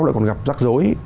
là còn gặp rắc rối